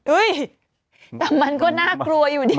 แต่มันก็น่ากลัวอยู่ดี